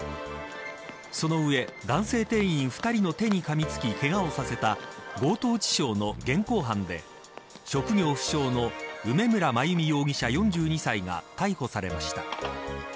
その上男性店員２人の手にかみつきけがをさせた強盗致傷の現行犯で職業不詳の梅村真由美容疑者、４２歳が逮捕されました。